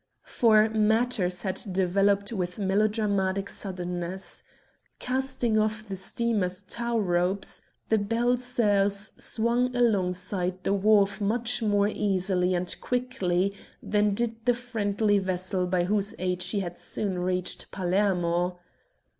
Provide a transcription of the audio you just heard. For matters had developed with melodramatic suddenness. Casting off the steamer's tow ropes, the Belles Soeurs swung alongside the wharf much more easily and quickly than did the friendly vessel by whose aid she had so soon reached Palermo.